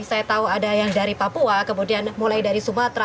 saya tahu ada yang dari papua kemudian mulai dari sumatera